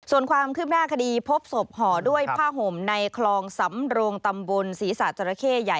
ส่วนความคืบหน้าคดีพบศพห่อด้วยผ้าห่มในคลองสำโรงตำบลศรีษะจราเข้ใหญ่